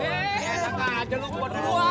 eh enak aja lu buat